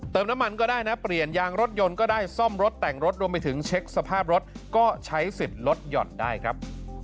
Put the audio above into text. น้ำมันก็ได้นะเปลี่ยนยางรถยนต์ก็ได้ซ่อมรถแต่งรถรวมไปถึงเช็คสภาพรถก็ใช้สิทธิ์ลดหย่อนได้ครับ